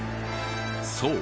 そう。